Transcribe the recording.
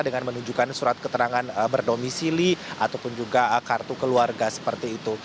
dengan menunjukkan surat keterangan berdomisili ataupun juga kartu keluarga seperti itu